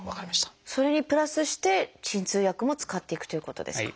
それにプラスして鎮痛薬も使っていくということですか？